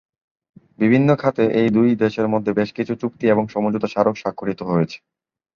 বিভিন্ন খাতে এই দুই দেশের মধ্যে বেশ কিছু চুক্তি এবং সমঝোতা স্মারক সাক্ষরিত হয়েছে।